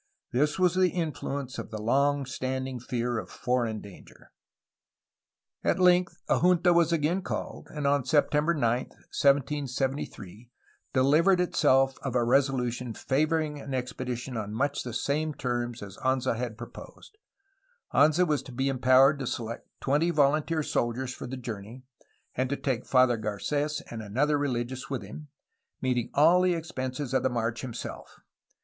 This was the influence of the long standing fear of foreign danger. At length a junta was again called, and on September 9, 1773, delivered itself of a resolution favoring an expedition on much the same terms as Anza had proposed. Anza was to be empowered to select twenty volunteer soldiers for the journey and to take Father Garces and another rehgious with him, meeting all the expenses of the march himself.